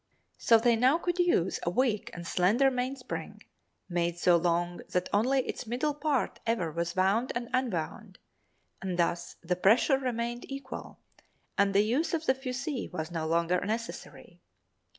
So they now could use a weak and slender mainspring, made so long that only its middle part ever was wound and unwound, and thus the pressure remained equal, and the use of the fusee was no longer necessary.